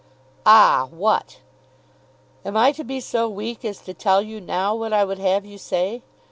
"Ah what! Am I to be so weak as to tell you now what I would have you say?